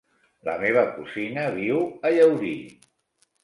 La meva cosina viu a Llaurí.